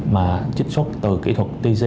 mà chích xuất từ kỹ thuật